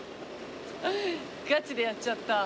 ガチでやっちゃった。